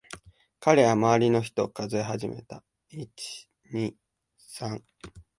彼は周りの人を数え始めた。